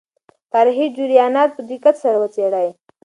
تاریخي جریانات په دقت سره وڅېړئ.